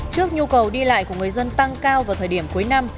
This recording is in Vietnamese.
trước nhu cầu đi lại của người dân tăng cao vào thời điểm cuối năm